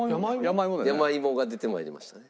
山芋が出て参りましたね。